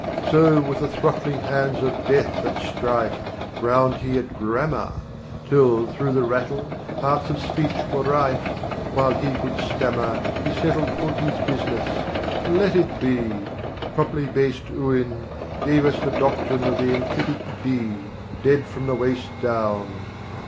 So, with the throttling hands of death at strife, Ground he at grammar; Still, thro' the rattle, parts of speech were rife: While he could stammer He settled Hoti's business let it be! Properly based Oun 130 Gave us the doctrine of the enclitic De, Dead from the waist down.